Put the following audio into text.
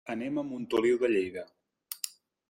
Anem a Montoliu de Lleida.